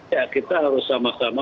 ya kita harus sama sama